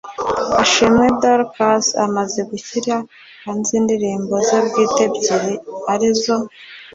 Ashimwe Dorcas umaze gushyira hanze indirimbo ze bwite ebyiri arizo